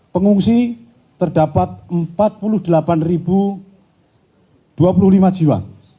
pengungsi terdapat empat puluh delapan dua puluh lima jiwa